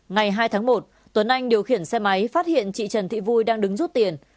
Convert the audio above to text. ngày hai tháng một tuấn anh điều khiển xe máy phát hiện chị trần thị vui đang đứng rút tiền